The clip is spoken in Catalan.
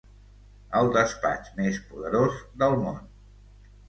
El despatx més poderós del món.